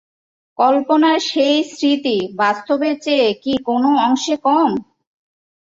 কল্পনার সেই স্মৃতি বাস্তবের চেয়ে কি কোনো অংশে কম?